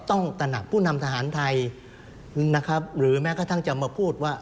ตระหนักผู้นำทหารไทยนะครับหรือแม้กระทั่งจะมาพูดว่า